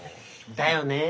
だよね。